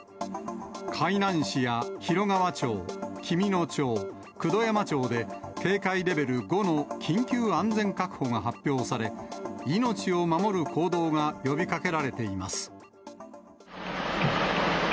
海南市や広川町、紀美野町、九度山町で、警戒レベル５の緊急安全確保が発表され、命を守る行動が呼びかけられています。